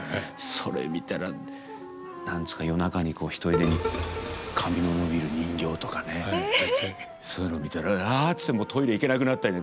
それ見たら何ですか夜中にひとりでに髪の伸びる人形とかねそういうの見たら「ああ」ってトイレ行けなくなったり。